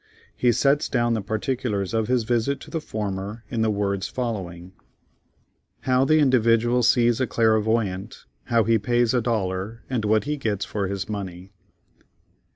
He sets down the particulars of his visit to the former, in the words following: How the "Individual" sees a Clairvoyant—How he pays a Dollar, and what he gets for his money.